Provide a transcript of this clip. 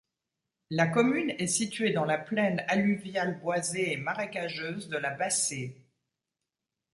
La commune est située dans la plaine alluviale boisée et marécageuse de la Bassée.